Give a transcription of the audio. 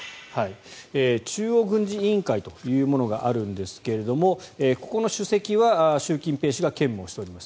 中央軍事委員会というものがあるんですがここの主席は習近平氏が兼務しています。